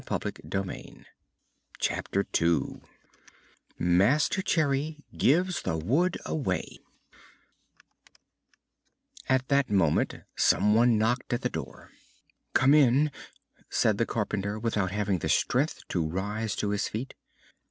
CHAPTER II MASTER CHERRY GIVES THE WOOD AWAY At that moment some one knocked at the door. "Come in," said the carpenter, without having the strength to rise to his feet.